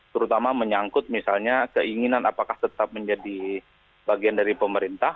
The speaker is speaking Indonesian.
terutama menyangkut misalnya keinginan apakah tetap menjadi bagian dari pemerintah